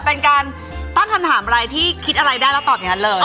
เป็นการตั้งคำถามอะไรที่คิดอะไรได้แล้วตอบอย่างนั้นเลย